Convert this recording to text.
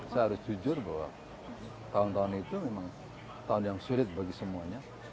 saya harus jujur bahwa tahun tahun itu memang tahun yang sulit bagi semuanya